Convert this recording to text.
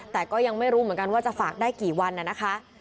แต่ก็ยังไม่รู้เหมือนกันว่าจะฝากได้กี่วันนะคะ